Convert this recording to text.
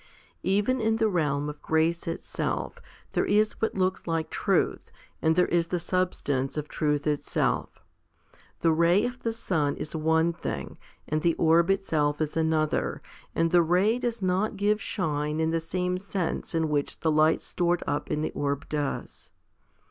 Even in the realm of grace itself, there is what looks like truth, and there is the substance of truth itself. The ray of the sun is one thing, and the orb itself is another, and the ray does not give shine in the same sense in which the light stored up in the orb does.